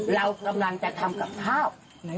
เรากำลังจะทำกับข้าว